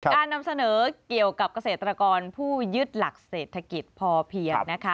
นำเสนอเกี่ยวกับเกษตรกรผู้ยึดหลักเศรษฐกิจพอเพียงนะคะ